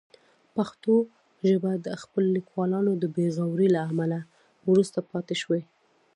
پښتو ژبه د خپلو لیکوالانو د بې غورۍ له امله وروسته پاتې شوې.